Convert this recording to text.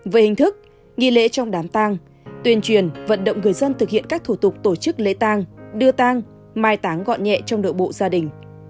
về hình thức nghi lễ trong đám tang tuyên truyền vận động người dân thực hiện các thủ tục tổ chức lễ tang đưa tang mai táng gọn nhẹ trong nội bộ gia đình